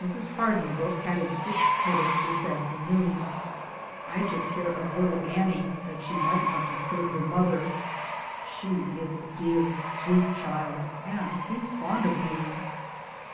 Mrs. Hardinbrooke had a sick headache this afternoon; I took care of little Annie DAYS ON THE ROAD, ^ 147 that she might not disturb her mother. She is a dear, sweet child and seems fond of me.